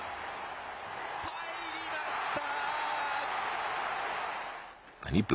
入りました。